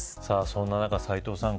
そんな中、斎藤さん